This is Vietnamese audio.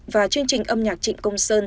và chương trình âm nhạc trịnh công sơn